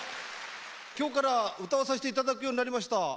今日から歌わさせていただくようになりました